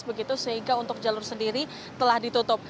begitu sehingga untuk jalur sendiri telah ditutup